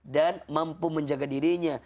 dan mampu menjaga dirinya